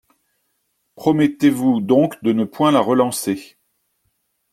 Promettez-vous donc de ne la point relancer.